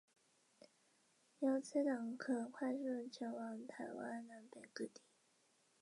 磁矩结构与铁磁性物质的磁性行为有关。